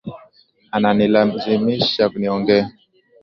Ananilazimisha niongee